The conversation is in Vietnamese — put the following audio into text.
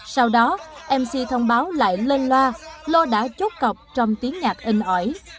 sau đó mc thông báo lại lên loa lo đã chốt cọc trong tiếng nhạc in ỏi